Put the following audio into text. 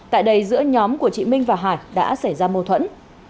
tại đây giữa nhóm của chị minh và hải đã xảy ra mâu thuẫn